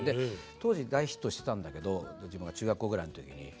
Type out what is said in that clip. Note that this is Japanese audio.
当時大ヒットしてたんだけど自分が中学校ぐらいの時に。